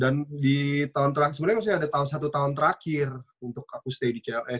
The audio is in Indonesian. dan di tahun terakhir maksudnya ada satu tahun terakhir untuk aku stay di cls